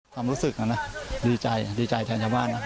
ความรู้สึกนะนะดีใจดีใจแท้งจำมารนะ